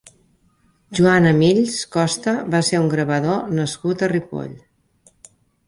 Joan Amills Costa va ser un gravador nascut a Ripoll.